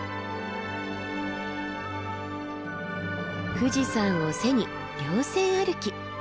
富士山を背に稜線歩き。